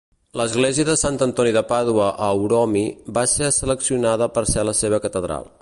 L'església de Sant Antoni de Pàdua a Uromi va ser seleccionada per ser la seva catedral.